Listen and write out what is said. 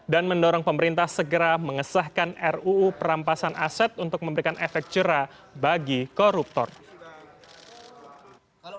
dan mendorong pemerintah segera mengesahkan ruu perampasan aset untuk memberikan efek cerah bagi koruptor